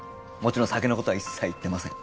酒のことは一切言ってません